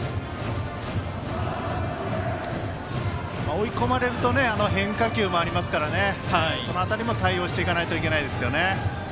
追い込まれると変化球もありますからその辺りも対応していかないといけないですよね。